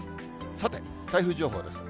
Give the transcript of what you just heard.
さて、台風情報です。